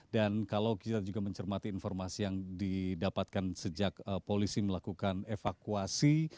dan kalau kita juga mencermati informasi yang didapatkan sejak polisi melakukan evakuasi